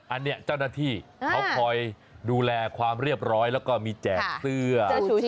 อันนี้เจ้าหน้าที่เขาคอยดูแลความเรียบร้อยแล้วก็มีแจกเสื้อ